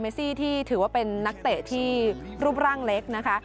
ซี่ที่ถือว่าเป็นนักเตะที่รูปร่างเล็กนะคะ